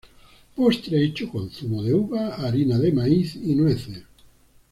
Postre hecho con zumo de uva, harina de maíz y nueces.